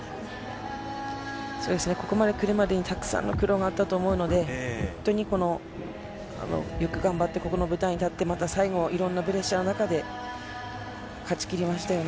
ここまで来るまでにたくさんの苦労があったと思うので本当によく頑張ってこの舞台に立って最後いろんなプレッシャーの中で勝ち切りましたよね。